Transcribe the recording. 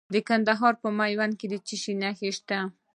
د کندهار په میوند کې څه شی شته؟